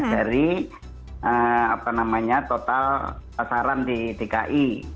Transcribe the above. dari total pasaran di dki